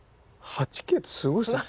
８Ｋってすごいですね。